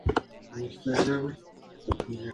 Hay un recipiente grande, una palangana, abajo.